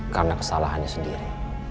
karena kesalahannya sendiri